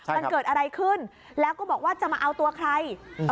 มันเกิดอะไรขึ้นแล้วก็บอกว่าจะมาเอาตัวใคร